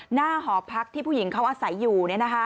หอพักที่ผู้หญิงเขาอาศัยอยู่